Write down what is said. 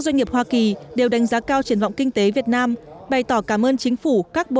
doanh nghiệp hoa kỳ đều đánh giá cao triển vọng kinh tế việt nam bày tỏ cảm ơn chính phủ các bộ